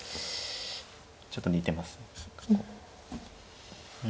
ちょっと似てますね。